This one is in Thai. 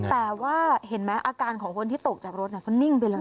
แต่ว่าเห็นไหมอาการของคนที่ตกจากรถเขานิ่งไปแล้วนะ